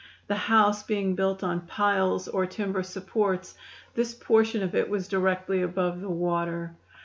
The house being built on "piles" or timber supports, this portion of it was directly above the water.